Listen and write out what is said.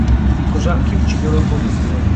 I cosacchi uccidono un contadino.